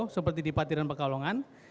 seperti di partiran pekalongan